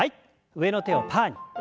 上の手をパーに。